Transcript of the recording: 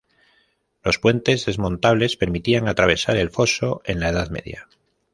Los puentes desmontables permitían atravesar el foso en la Edad Media.